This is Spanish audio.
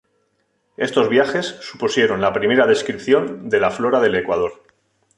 Estos viajes supusieron la primera descripción de la flora del Ecuador.